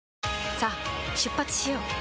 さあ出発しよう。